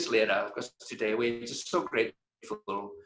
saya sangat berterima kasih bahwa berpikir besar